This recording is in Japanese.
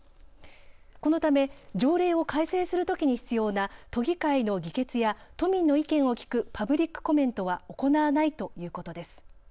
このため条例を改正するときに必要な都議会の議決や都民の意見を聞くパブリックコメントは行わないということです。